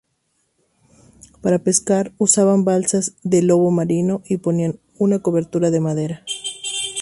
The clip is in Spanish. Para pescar usaban balsas de lobo marino y ponían una cobertura de madera.